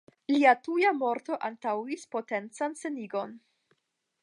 Lia tuja morto antaŭis potencan senigon.